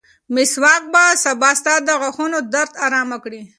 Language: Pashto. مسواک به ستا د غاښونو درد ارامه کړي.